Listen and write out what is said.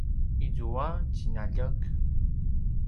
izua tjinaljek?